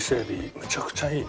めちゃくちゃいいね。